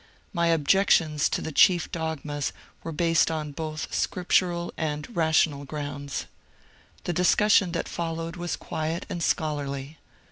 My objections to the chief dogmas were based on both scripturid and rational grounds. The discussion that followed was quiet and scholarly.